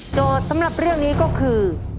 สำหรับเรื่องนี้ก็คือ